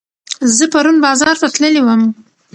زه پرون بازار ته تللي وم